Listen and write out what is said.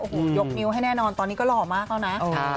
โอ้โหยกนิ้วให้แน่นอนตอนนี้ก็หล่อมากแล้วนะ